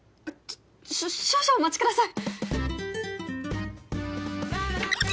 少々お待ちください。